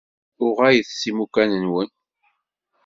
Uɣalet s imukan-nwen.